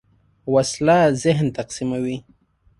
وسله ذهن تقسیموي